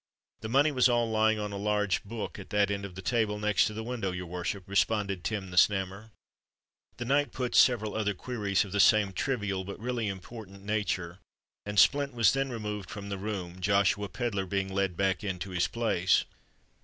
"The money was all lying on a large book at that end of the table next to the window, your worship," responded Tim the Snammer. The knight put several other queries of the same trivial, but really important nature; and Splint was then removed from the room, Joshua Pedler being led back again to his place.